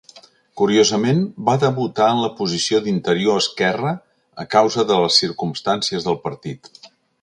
Curiosament, va debutar en la posició d'interior esquerre a causa de les circumstàncies del partit.